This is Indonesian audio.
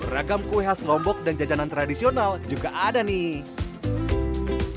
ragam kue khas lombok dan jajanan tradisional juga ada nih